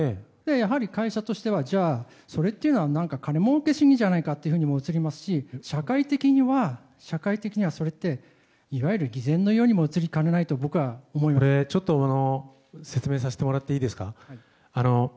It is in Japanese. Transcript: やはり会社としてはそれっていうのは金もうけ主義にも映りますし社会的にはそれっていわゆる偽善のようにも映りかねないと説明させてもらっていいですか。